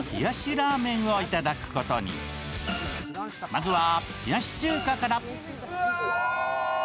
まずは冷やし中華から。